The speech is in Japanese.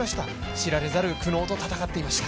知られざる苦悩と闘っていました。